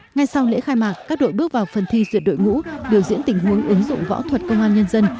ngay sau lễ khai mạc các đội bước vào phần thi duyệt đội ngũ biểu diễn tình huống ứng dụng võ thuật công an nhân dân